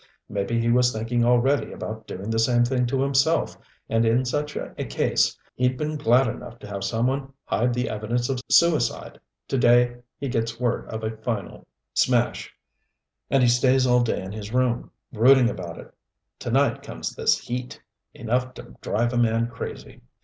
Maybe he was thinking already about doing the same thing to himself, and in such a case he'd been glad enough to have some one hide the evidence of suicide. To day he gets word of a final smash, and he stays all day in his room, brooding about it. To night comes this heat enough to drive a man crazy.